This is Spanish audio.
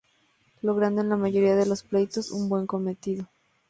Logrando en la mayoría de los pleitos un buen cometido.